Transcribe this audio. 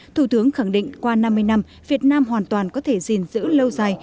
thủ tướng khẳng định qua năm mươi năm việt nam hoàn toàn có thể gìn giữ lâu dài